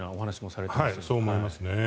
そう思いますね。